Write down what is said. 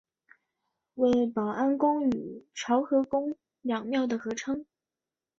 为保安宫与潮和宫两庙的合称。